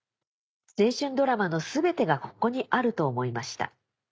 青春ドラマの全てがここにあると思いました。